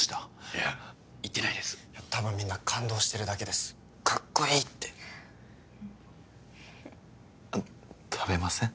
いや言ってないです多分みんな感動してるだけです「カッコイイ！」ってあの食べません？